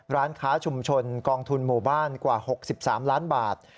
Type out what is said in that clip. ร้านค้าชุมชนกองทุนหมู่บ้านกว่า๖๓ล้านบาท